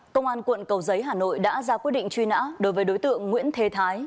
công an quận cầu giấy hà nội đã ra quyết định truy nã đối với đối tượng nguyễn thế thái